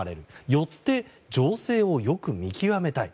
よって情勢をよく見極めたい。